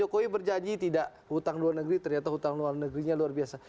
jokowi berjanji tidak hutang luar negeri ternyata hutang luar negerinya luar biasa